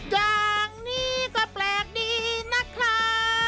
อย่างนี้ก็แปลกดีนะครับ